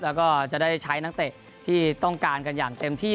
แล้วก็จะได้ใช้นักเตะที่ต้องการกันอย่างเต็มที่